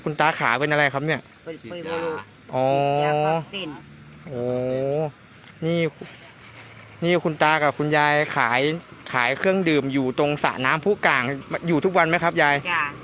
ตาขาเป็นอะไรครับเนี่ยโอ้โหนี่นี่คุณตากับคุณยายขายขายเครื่องดื่มอยู่ตรงสระน้ำผู้กลางอยู่ทุกวันไหมครับยาย